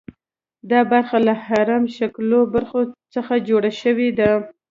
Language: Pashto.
دا برخه له هرم شکلو برخو څخه جوړه شوې ده.